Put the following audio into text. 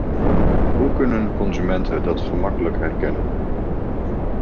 Hoe kunnen consumenten dat gemakkelijk herkennen?